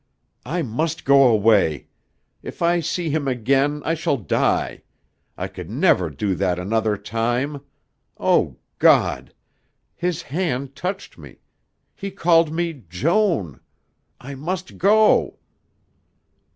"I must go away. If I see him again I shall die. I could never do that another time. O God! His hand touched me. He called me 'Joan' ... I must go...."